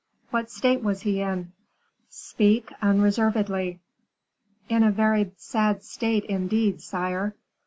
"What state was he in? speak unreservedly." "In a very sad state indeed, sire."